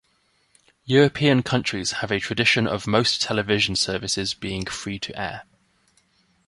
European countries have a tradition of most television services being free to air.